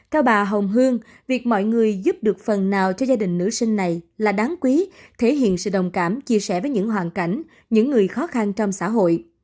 theo bà hồng hương việc mọi người giúp được phần nào cho gia đình nữ sinh này là đáng quý thể hiện sự đồng cảm chia sẻ với những hoàn cảnh những người khó khăn trong xã hội